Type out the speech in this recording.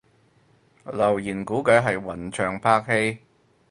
留言估計係雲翔拍戲